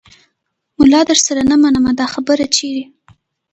ملا درسره نه منمه دا خبره چیرې